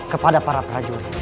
kepada para prajurit